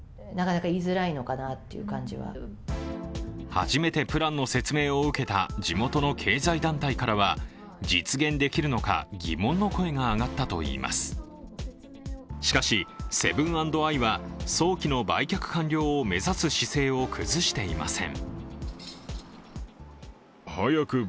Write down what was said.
初めてのプランの説明を受けた地元の経済団体からは実現できるのか疑問の声が上がったといいますしかし、セブン＆アイは、早期の売却完了を目指す姿勢を崩していません。